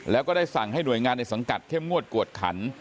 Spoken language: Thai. แล้วก็ได้สั่งให้หน่วยงานในสังกัดเข้มงวดกวดขัน